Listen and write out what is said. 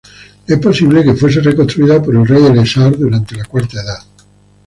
Es posible que fuese reconstruida por el rey Elessar durante la Cuarta Edad.